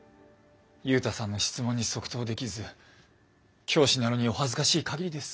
ユウタさんの質問に即答できず教師なのにお恥ずかしい限りです。